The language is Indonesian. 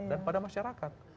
dan pada masyarakat